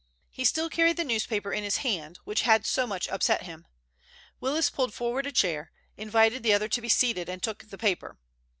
He still carried the newspaper in his hand, which had so much upset him. Willis pulled forward a chair, invited the other to be seated, and took the paper.